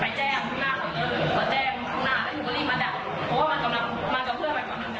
เพราะว่ามันกำลังเคลื่อนไปมาแดด